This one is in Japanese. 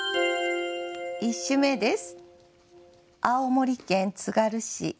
１首目です。